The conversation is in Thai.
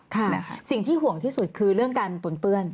สิ่งที่ห่วงที่สุดคือเรื่องการปนเปื้อน